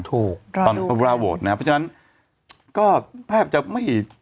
ตอนพระพุทธราวตนะครับเพราะฉะนั้นก็แทบจะไม่